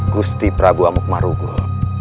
gusti prabu amuk merugul